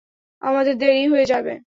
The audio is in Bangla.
আমাদের দেরি হয়ে যাবে!